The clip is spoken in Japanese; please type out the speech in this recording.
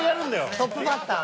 「トップバッターは」